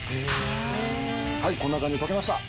はいこんな感じで溶けました。